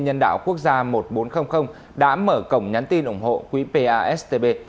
nhân đạo quốc gia một nghìn bốn trăm linh đã mở cổng nhắn tin ủng hộ quý pastb